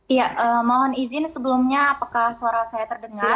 iya mohon izin sebelumnya apakah suara saya terdengar